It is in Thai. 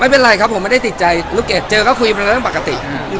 ไม่เป็นไรครับผมไม่ได้ติดใจลูกเอดเจอเค้าคุยมันเรื่องปกติ